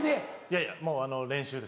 いやいやもう練習です。